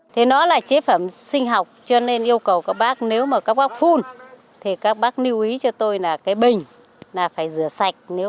thì ta phun thì cái chế phẩm này vi sinh vật sẽ chết và hiệu quả nó sẽ kém